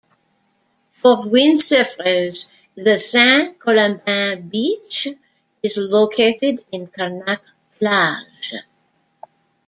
For windsurfers, the Saint-Colomban beach is located in Carnac-Plage.